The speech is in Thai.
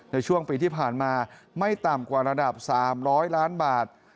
ในช่วงปีที่ผ่านมาไม่ต่ำกว่าระดับ๓๐๐ล้านบาท